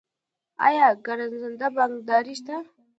آیا ګرځنده بانکداري شته؟